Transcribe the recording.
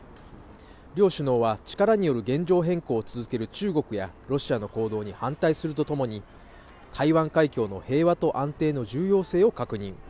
両首脳は、力による現状変更を続ける中国やロシアの行動に反対すると共に、台湾海峡の平和と安定の重要性を確認。